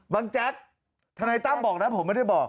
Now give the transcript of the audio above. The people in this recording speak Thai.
แจ๊กทนายตั้มบอกนะผมไม่ได้บอก